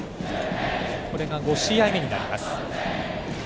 これが５試合目になります。